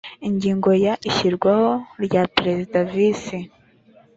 ingingo ya ishyirwaho rya perezida visi